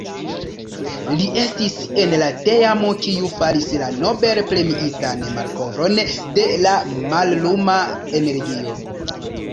Li estis en la teamo kiu faris la Nobel-premiitan malkovron de la malluma energio.